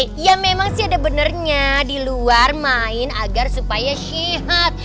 hei ya memang sih ada benernya di luar main agar supaya sehat